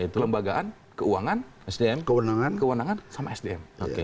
kelembagaan keuangan kewenangan sama sdm